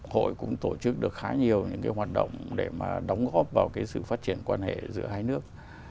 hội cũng tổ chức được khá nhiều những cái hoạt động để mà đóng góp vào cái sự phát triển quan hệ giữa hai nước